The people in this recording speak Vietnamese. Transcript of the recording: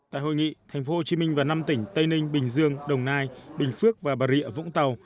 tại hội nghị tp hcm và năm tỉnh tây ninh bình dương đồng nai bình phước và bà rịa vũng tàu